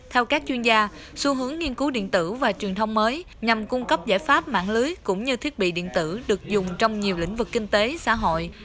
theo các chuyên gia xu hướng nghiên cứu điện tử và truyền thông mới nhằm cung cấp giải pháp mạng lưới cũng như thiết bị điện tử được dùng trong nhiều lĩnh vực kinh tế xã hội